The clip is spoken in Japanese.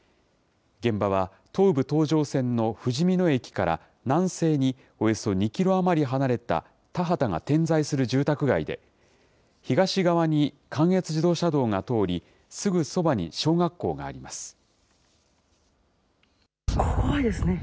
現場は東武東上線のふじみ野駅から南西におよそ２キロ余り離れた田畑が点在する住宅街で、東側に関越自動車道が通り、すぐそばに小学校があります。